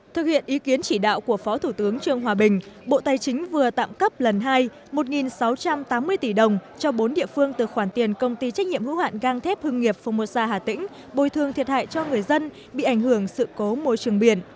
thực hiện ý kiến chỉ đạo của phó thủ tướng trương hòa bình bộ tài chính vừa tạm cấp lần hai một sáu trăm tám mươi tỷ đồng cho bốn địa phương từ khoản tiền công ty trách nhiệm hữu hạn gang thép hưng nghiệp fumosa hà tĩnh bồi thương thiệt hại cho người dân bị ảnh hưởng sự cố môi trường biển